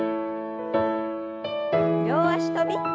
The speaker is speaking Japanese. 両脚跳び。